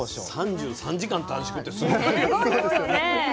３３時間短縮ってすごいよね。